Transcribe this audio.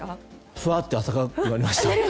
ふわっと温かくなりました。